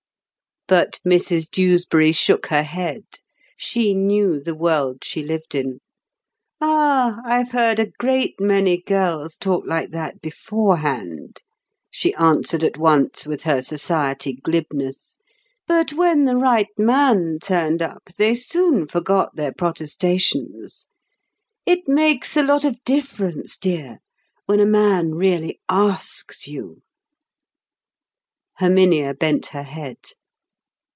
But Mrs Dewsbury shook her head. She knew the world she lived in. "Ah, I've heard a great many girls talk like that beforehand," she answered at once with her society glibness; "but when the right man turned up, they soon forgot their protestations. It makes a lot of difference, dear, when a man really asks you!" Herminia bent her head.